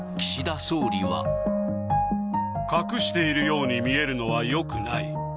隠しているように見えるのはよくない。